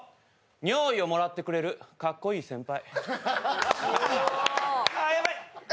「尿意をもらってくれるかっこいい先輩」